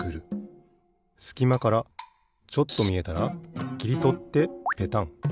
すきまからちょっとみえたらきりとってペタン。